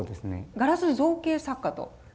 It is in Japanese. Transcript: ガラス造形作家と。